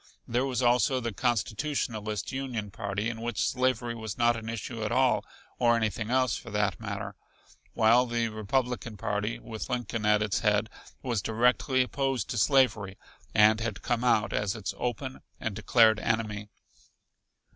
There was also the Constitutionalist Union party in which slavery was not an issue at all or anything else, for that matter while the Republican party, with Lincoln at its head, was directly opposed to slavery and had come out as its open and declared enemy.